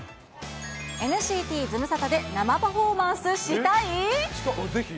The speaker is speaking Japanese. ＮＣＴ、ズムサタで生パフォーマぜひ。